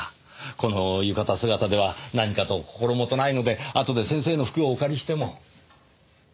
この浴衣姿では何かと心もとないのであとで先生の服をお借りしても？